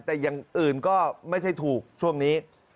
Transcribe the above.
แต่อย่างอื่นก็ไม่ใช่ถูกช่วงนี้